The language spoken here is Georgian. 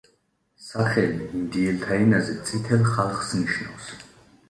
სახელი ინდიელთა ენაზე „წითელ ხალხს“ ნიშნავს.